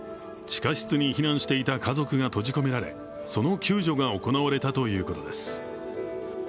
地下室に避難していた家族が閉じ込められ、その救助が行われたということです。